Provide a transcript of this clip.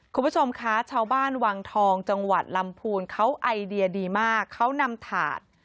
คุณผู้ชมคะชาวบ้านวังทองจังหวัดลำพูนเขาไอเดียดีมากเขานำถาด